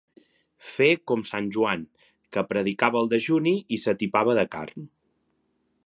Fer com sant Joan, que predicava el dejuni i s'atipava de carn.